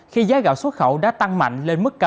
khi giá gạo xuất khẩu đã tăng mạnh lên mức cao